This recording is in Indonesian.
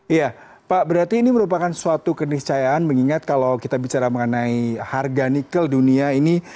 iya pak berarti ini merupakan suatu keniscayaan mengingat kalau kita bicara mengenai harga nikel dunia ini